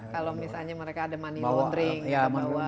kalau misalnya mereka ada money laundering